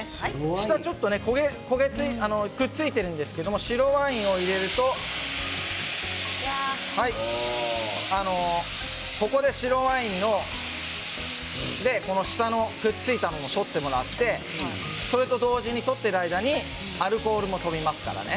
下がちょっと焦げついてくっついているんですけど白ワインを入れるとここで白ワインで下のくっついたものを取ってもらって取っている間にアルコールも飛びますのでね